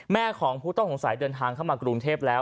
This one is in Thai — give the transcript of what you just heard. ของผู้ต้องสงสัยเดินทางเข้ามากรุงเทพแล้ว